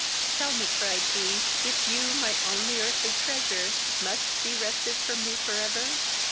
"Tell me, (cried he,) if you, my only earthly treasure, must be wrested from me for ever?